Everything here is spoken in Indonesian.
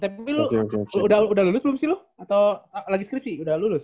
tapi lu udah lulus belum sih loh atau lagi skripsi udah lulus